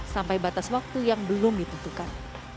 sampai batas waktu yang belum ditentukan